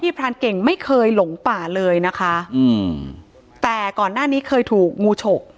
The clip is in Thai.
พรานเก่งไม่เคยหลงป่าเลยนะคะอืมแต่ก่อนหน้านี้เคยถูกงูฉก